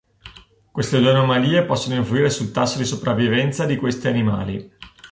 Queste due anomalie possono influire sul tasso di sopravvivenza di questi animali.